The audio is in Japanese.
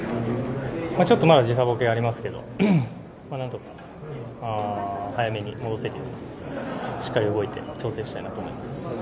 ちょっと時差ボケがありますけど何とか早めに戻してしっかり動いて調整したいと思います。